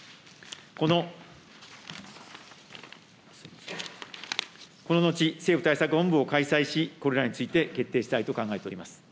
こののち、政府対策本部を開催し、これらについて決定したいと考えております。